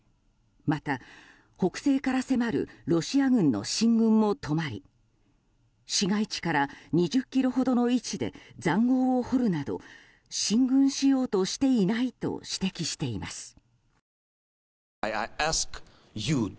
また北西から迫るロシア軍の進軍も止まり市街地から２０ｋｍほどの位置で塹壕を掘るなど進軍しようとしていないと指摘しています。